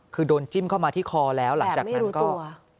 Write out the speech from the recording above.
คือโดนจิ้มเข้ามาที่คอแล้วหลังจากนั้นก็แบบไม่รู้ตัว